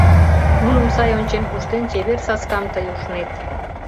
Нуным сай ончен-куштен, чевер саскам тый ужнет.